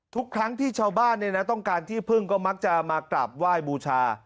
ทุกครั้งที่ชาวบ้านต้องการที่พึ่งก็มักจะมากราบไหว้บูชา